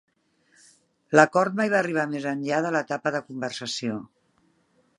L'acord mai va arribar més enllà de l'etapa de conversació.